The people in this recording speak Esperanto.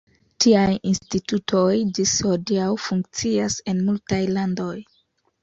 Tiaj institutoj ĝis hodiaŭ funkcias en multaj landoj.